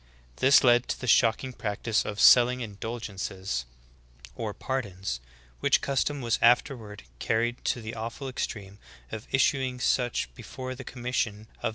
This led to the shocking practice of selling indulgences or pardons, which custom was afterward carried to the aw ful extreme of issuing such before the commission of the 'iMosheim, "Eccl.